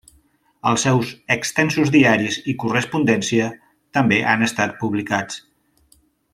Els seus extensos diaris i correspondència també han estat publicats.